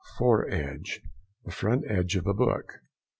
FOREDGE.—The front edge of a book.